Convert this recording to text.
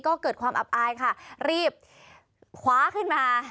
ก็เกิดความอับอายค่ะรีบคว้าขึ้นมา